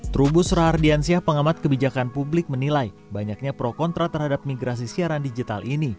trubus rahardiansyah pengamat kebijakan publik menilai banyaknya pro kontra terhadap migrasi siaran digital ini